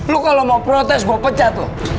lu kalau mau protes gua pecat lu